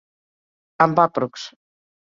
Amb aprox.